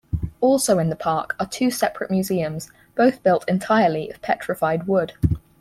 Also in the park are two separate museums, both built entirely of petrified wood.